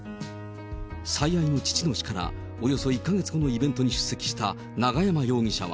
最愛の父の死からおよそ１か月後のイベントに出席した永山容疑者は。